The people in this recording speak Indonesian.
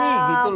selain yang tadi